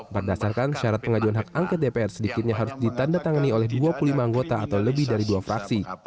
berdasarkan syarat pengajuan hak angket dpr sedikitnya harus ditanda tangani oleh dua puluh lima anggota atau lebih dari dua fraksi